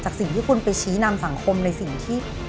สิ่งที่คุณไปชี้นำสังคมในสิ่งที่